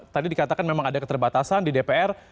tadi dikatakan memang ada keterbatasan di dpr